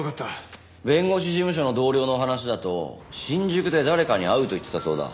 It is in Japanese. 弁護士事務所の同僚の話だと新宿で誰かに会うと言ってたそうだ。